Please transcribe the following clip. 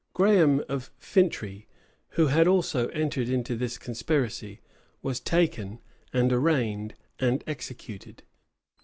[*] Graham of Fintry, who had also entered into this conspiracy, was taken, and arraigned, and executed.